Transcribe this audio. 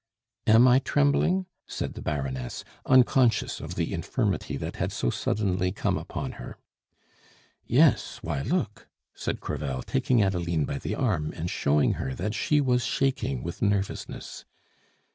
"Am I trembling?" said the Baroness, unconscious of the infirmity that had so suddenly come upon her. "Yes; why, look," said Crevel, taking Adeline by the arm and showing her that she was shaking with nervousness.